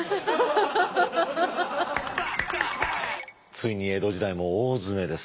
ついに江戸時代も大詰めです。